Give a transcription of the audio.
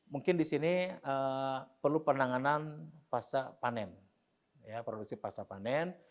mungkin di sini perlu penanganan pasca panen